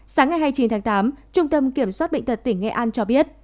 sáng ngày hai mươi chín tháng tám trung tâm kiểm soát bệnh tật tỉnh nghệ an cho biết